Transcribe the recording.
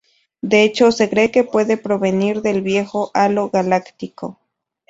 De hecho, se cree que puede provenir del viejo halo galáctico.